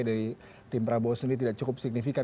dari tim prabowo sendiri tidak cukup signifikan